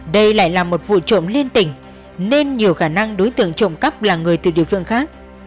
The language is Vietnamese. đây lại là một vụ trộm liên tỉnh nên nhiều khả năng đối tượng trộm cắp là người từ địa phương khác